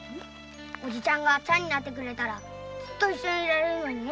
おじちゃんが「ちゃん」になってくれたらずっと一緒にいられるのにね。